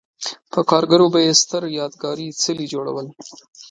په کارګرو به یې ستر یادګاري څلي جوړول